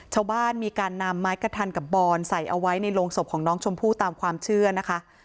ชาวบ้านมีการนำไม้กระทันกับบอนใส่เอาไว้ในโรงศพของน้องชมพู่ตามความเชื่อนะคะ